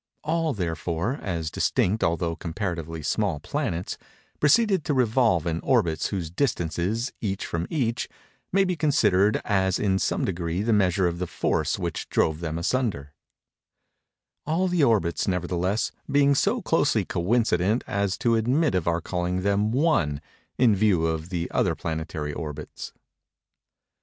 All therefore, as distinct although comparatively small planets, proceeded to revolve in orbits whose distances, each from each, may be considered as in some degree the measure of the force which drove them asunder:—all the orbits, nevertheless, being so closely coincident as to admit of our calling them one, in view of the other planetary orbits.